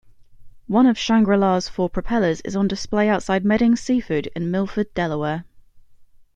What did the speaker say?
One of "Shangri-La"s four propellers is on display outside Meding's Seafood in Milford, Delaware.